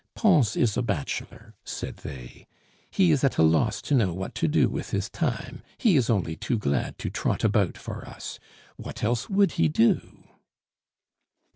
"Pons is a bachelor," said they; "he is at a loss to know what to do with his time; he is only too glad to trot about for us. What else would he do?"